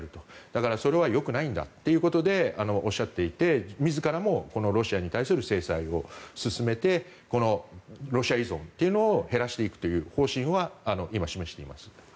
だからそれはよくないんだということでおっしゃっていて自らもロシアに対する制裁を進めてロシア依存というものを減らしていくという方針は今、示しています。